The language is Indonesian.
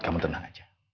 kamu tenang aja